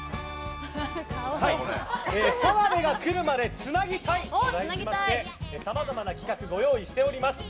澤部が来るまでつなぎ隊と題しましてさまざまな企画をご用意しております。